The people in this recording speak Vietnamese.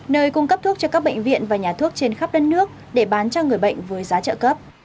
nơi cung cấp thuốc cho các bệnh viện và nhà thuốc trên khắp đất nước để bán cho người bệnh với giá trợ cấp